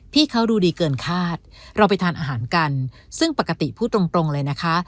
พี่เขาดูดีเกินคาดเราไปทานอาหารกันซึ่งปกติพูดตรงตรงเลยนะคะ